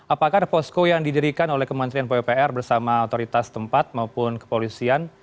apakah posko yang didirikan oleh kementerian pupr bersama otoritas tempat maupun kepolisian